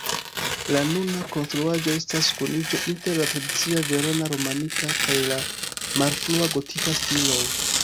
La nuna konstruaĵo estas kuniĝo inter la tradicia verona-romanika kaj la malfrua gotika stiloj.